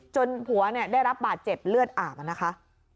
จนหัวเนี่ยได้รับปาดเจ็บเลือดอาบอ่ะนะคะ